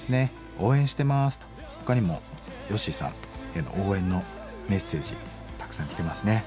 応援してます」とほかにもヨッシーさんへの応援のメッセージたくさん来てますね。